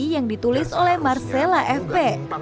yang ditulis oleh marcella fp